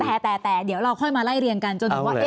แต่เดี๋ยวเราค่อยมาไล่เรียงกันจนถึงว่า